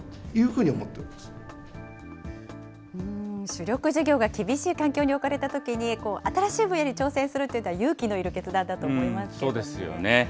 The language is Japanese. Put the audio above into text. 主力事業が厳しい環境に置かれたときに、新しい分野に挑戦するというのは勇気のいる決断だと思いますけどそうですよね。